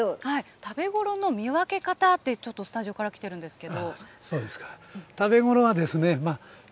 食べごろの見分け方と、ちょっとスタジオからきてるんですけど。